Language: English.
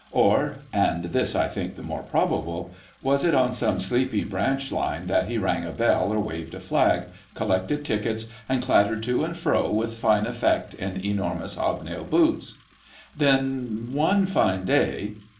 Or—and this I think the more probable—was it on some sleepy branch line that he rang a bell or waved a flag, collected tickets, and clattered to and fro with fine effect in enormous hobnail boots? Then one fine day